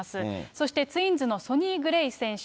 そしてツインズのソニー・グレイ選手。